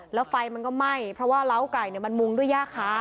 แล้วไฟมันก็ไหม้เพราะว่าเล้าไก่มันมุงด้วยย่าค้า